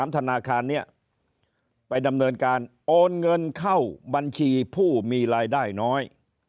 ธนาคารนี้ไปดำเนินการโอนเงินเข้าบัญชีผู้มีรายได้น้อย